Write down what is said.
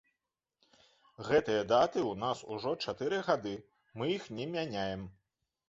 Гэтыя даты ў нас ужо чатыры гады, мы іх не мяняем.